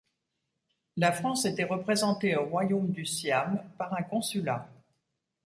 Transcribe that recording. La France était représentée au royaume du Siam par un consulat.